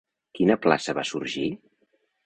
Quina plaça va sorgir?